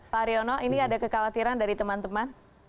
pak haryono ini ada kekhawatiran dari teman teman